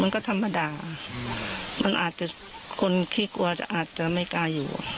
มันก็ธรรมดากคนพี่กลัวอาจจะไม่กล้าอยู่